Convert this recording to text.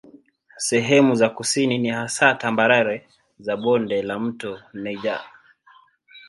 Sehemu za kusini ni hasa tambarare za bonde la mto Niger.